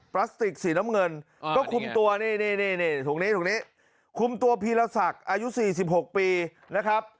พลาสติกสีน้ำเงินก็คุมตัวนี่ตรงนี้ตรงนี้คุมตัวพีรศักดิ์อายุ๔๖ปีนะครับ